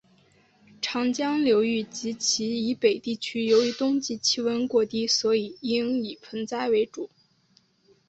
长江流域及其以北地区由于冬季气温过低所以应以盆栽为主。